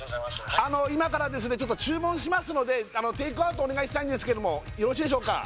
今からですねちょっと注文しますのでテイクアウトお願いしたいんですけどもよろしいでしょうか？